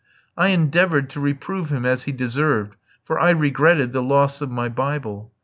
I endeavoured to reprove him as he deserved, for I regretted the loss of my Bible.